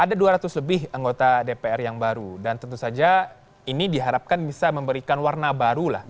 ada dua ratus lebih anggota dpr yang baru dan tentu saja ini diharapkan bisa memberikan warna baru lah